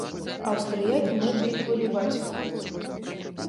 Аўстрыякі мэты іх выліваць.